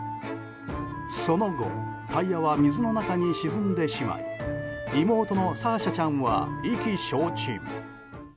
その後、タイヤは水の中に沈んでしまい妹のサーシャちゃんは意気消沈。